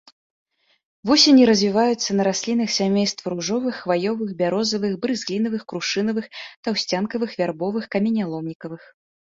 Вусені развіваюцца на раслінах сямейства ружавых, хваёвых, бярозавых, брызглінавых, крушынавых, таўсцянкавых, вярбовых, каменяломнікавых.